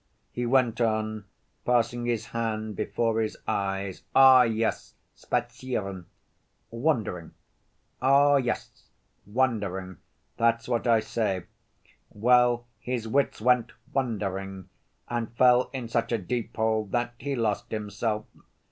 He went on, passing his hand before his eyes, "Oh, yes, spazieren." "Wandering?" "Oh, yes, wandering, that's what I say. Well, his wits went wandering and fell in such a deep hole that he lost himself.